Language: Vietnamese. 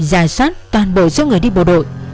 giải soát toàn bộ số người đi bộ đội